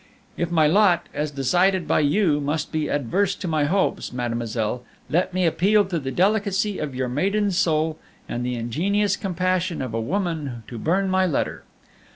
If my lot, as decided by you, must be adverse to my hopes, mademoiselle, let me appeal to the delicacy of your maiden soul and the ingenuous compassion of a woman to burn my letter.